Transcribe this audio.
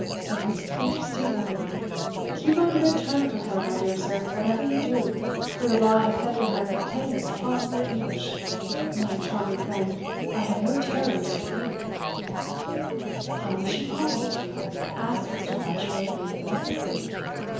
A most interesting woman! Keep on good terms with her, my dear sir, whatever you do, for the Law has said to her in the plainest possible English, 'My charming friend, I have no terrors for you!'" "How was she pardoned?" asked Mr. Bashwood, breathlessly.